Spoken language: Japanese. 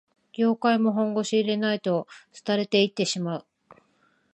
業界も本腰入れないと廃れていってしまう